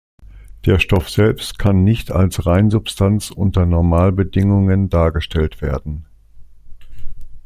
Der Stoff selbst kann nicht als Reinsubstanz unter Normalbedingungen dargestellt werden.